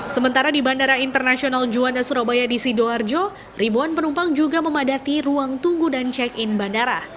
sementara di bandara internasional juanda surabaya di sidoarjo ribuan penumpang juga memadati ruang tunggu dan check in bandara